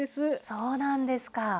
そうなんですか。